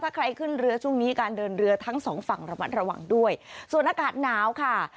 ถ้าใครขึ้นเรือช่วงนี้การเดินเรือทั้งสองฝั่งระมัดระวังด้วยส่วนอากาศหนาวค่ะ